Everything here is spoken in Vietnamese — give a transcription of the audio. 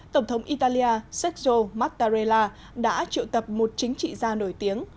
tổng thống italia sergio mattarella đã triệu tập một chính trị gia nổi tiếng